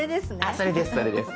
あっそれですそれです。